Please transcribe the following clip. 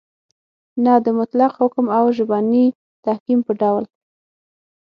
نه د مطلق حکم او ژبني تحکم په ډول